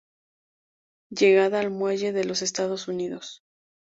Llegada al Muelle de los Estados Unidos.